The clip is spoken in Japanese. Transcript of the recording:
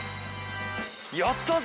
やったぜ！